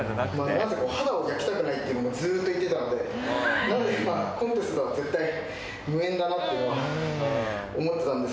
まず肌を焼きたくないっていうのをずっと言ってたのでなのでコンテストは絶対無縁だなっていうのは思ってたんですけど。